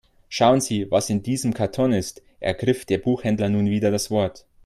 Schauen Sie, was in diesem Karton ist, ergriff der Buchhändler nun wieder das Wort.